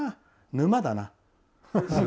沼だな。